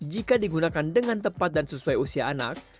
jika digunakan dengan tepat dan sesuai usia anak